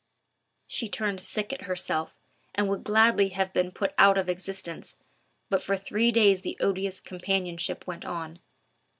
She turned sick at herself, and would gladly have been put out of existence, but for three days the odious companionship went on.